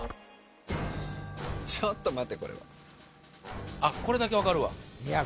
ちょっと待てこれはあっこれだけ分かるわいや